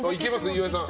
岩井さん。